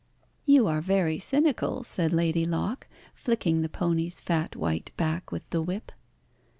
"You are very cynical," said Lady Locke, flicking the pony's fat white back with the whip.